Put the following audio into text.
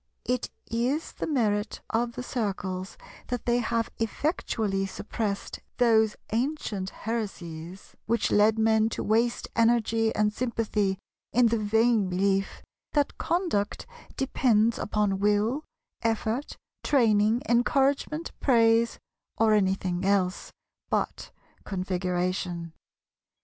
It is the merit of the Circles that they have effectually suppressed those ancient heresies which led men to waste energy and sympathy in the vain belief that conduct depends upon will, effort, training, encouragement, praise, or anything else but Configuration.